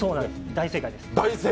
大正解です。